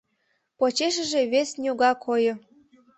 Почешыже вес ньога койо.